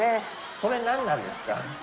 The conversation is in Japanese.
それ何なんですか？